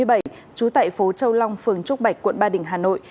trú tại phố châu long phường trúc bạch quận ba đình hà nội